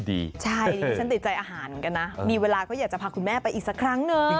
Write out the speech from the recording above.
ใช่ดิฉันติดใจอาหารเหมือนกันนะมีเวลาก็อยากจะพาคุณแม่ไปอีกสักครั้งหนึ่ง